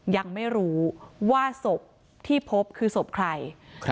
ยังไม่รู้ว่าศพที่พบคือศพใคร